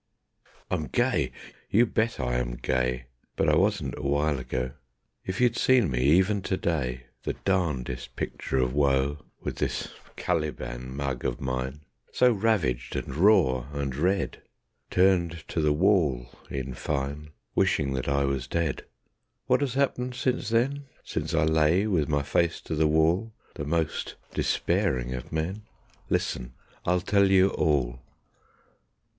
I'm gay! You bet I am gay; But I wasn't a while ago. If you'd seen me even to day, The darndest picture of woe, With this Caliban mug of mine, So ravaged and raw and red, Turned to the wall in fine, Wishing that I was dead. ... What has happened since then, Since I lay with my face to the wall, The most despairing of men? Listen! I'll tell you all.